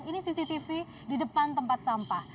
ini cctv di depan tempat sampah